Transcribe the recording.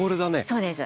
そうです。